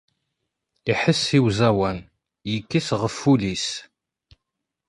Iḥess i uẓawan, yekkes ɣef ul-is.